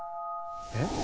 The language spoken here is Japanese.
えっ？